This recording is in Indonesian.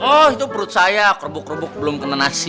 oh itu perut saya kerubuk kerubuk belum kena nasi